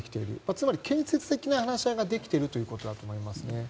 つまり建設的な話し合いができているということだと思いますね。